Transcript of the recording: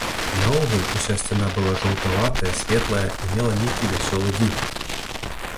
Наогул уся сцяна была жаўтаватая, светлая і мела нейкі вясёлы выгляд.